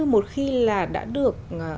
một khi là đã được